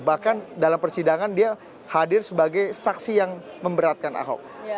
bahkan dalam persidangan dia hadir sebagai saksi yang memberatkan ahok